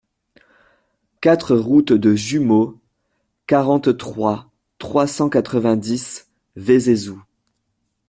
quatre route de Jumeaux, quarante-trois, trois cent quatre-vingt-dix, Vézézoux